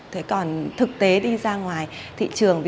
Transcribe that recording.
thế còn thực tế đi ra ngoài thị trường